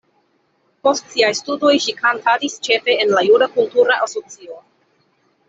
Post siaj studoj ŝi kantadis ĉefe en la juda kultura asocio.